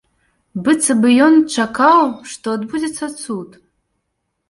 Быццам бы ён чакаў, што адбудзецца цуд.